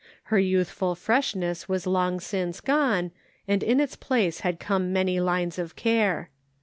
Her youth ful freshness was long since gone, and in its 'place had come many lines of care.